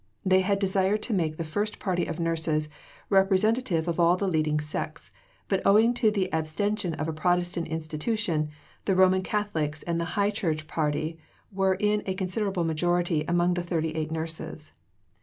They had desired to make the first party of nurses representative of all the leading sects; but owing to the abstention of a Protestant institution, the Roman Catholics and the High Church party were in a considerable majority among the thirty eight nurses.